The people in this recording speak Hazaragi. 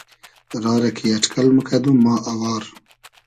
را رۂ کی اݖکئل موکئدوم ما اوار